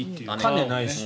種ないし。